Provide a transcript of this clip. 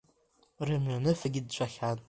Рымҩаныфагьы нҵәахьан.